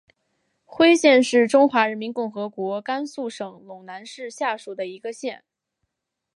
徽县是中华人民共和国甘肃省陇南市下属的一个县。